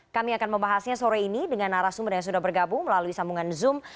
kami akan membahasnya sore ini dengan arah sumber yang sudah bergabung melalui sambungan zoom